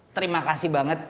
terima kasih banget